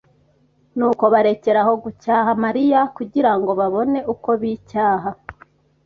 Nuko barekeraho gucyaha Mariya kugira ngo babone uko bicyaha